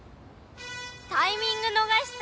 タイミング逃した！